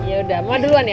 yaudah ma duluan ya